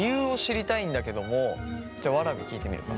じゃあわらびに聞いてみるか。